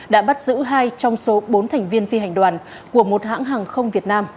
đã bắt giữ hai trong số bốn thành viên phi hành đoàn của một hãng hàng không việt nam